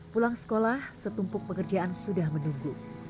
pulang sekolah setumpuk pekerjaan sudah menunggu